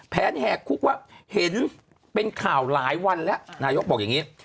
แหกคุกว่าเห็นเป็นข่าวหลายวันแล้วนายกบอกอย่างนี้